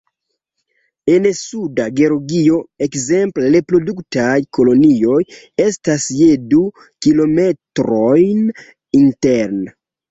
En Suda Georgio, ekzemple, reproduktaj kolonioj estas je du kilometrojn interne.